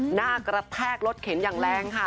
หน้ากระแทกรถเข็นอย่างแรงค่ะ